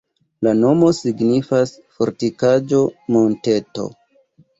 La nomo signifas: fortikaĵo-monteto.